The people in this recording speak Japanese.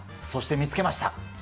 そして見つけました。